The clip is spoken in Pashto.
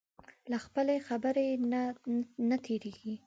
له خپلې خبرې نه تېرېږي.